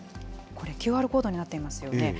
これ、ＱＲコードになっていますよね。